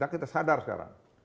kita sadar sekarang